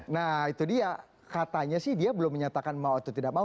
nah itu dia katanya sih dia belum menyatakan mau atau tidak mau